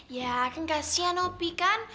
ya kan kasihan opie kan